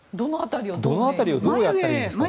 どの辺りをどうやったらいいですか？